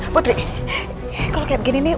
putri kalau kayak gini nih